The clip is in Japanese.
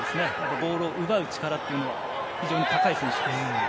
ボールを奪う力というのが非常に高い選手です。